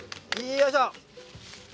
よいしょ！